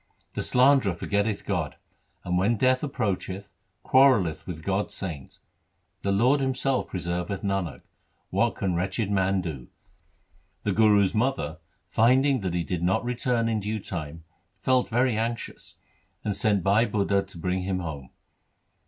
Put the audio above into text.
The slanderer forgetteth God, and, when death approach eth, quarrelleth with God's saint. The Lord Himself preserveth Nanak ; what can wretched man do ? 1 The Guru's mother, finding that he did not return in due time, felt very anxious and sent Bhai Budha to bring him home.